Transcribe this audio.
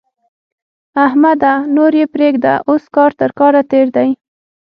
احمده! نور يې پرېږده؛ اوس کار تر کار تېر دی.